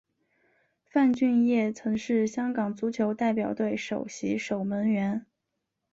范俊业曾经是香港足球代表队首席守门员。